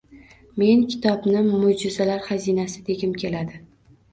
Men kitobni mo‘jizalar xazinasi, degim keladi